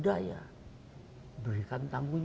dia berusia dua belas tahun